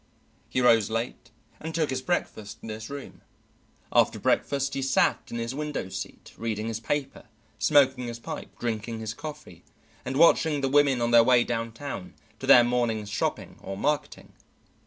He rose late and took his breakfast in his room; after breakfast he sat in his window seat, reading his paper, smoking his pipe, drinking his coffee, and watching the women on their way downtown to their morning's shopping or marketing.